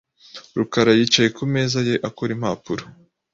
rukara yicaye ku meza ye akora impapuro .